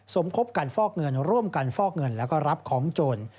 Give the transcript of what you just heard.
สมคบกันฟอกเงินร่วมกันฟอกเงินแล้วก็รับของโจร